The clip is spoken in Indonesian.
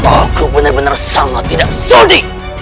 aku benar benar sangat tidak sudi